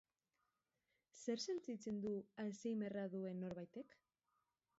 Zer sentitzen du alzheimerra duen norbaitek?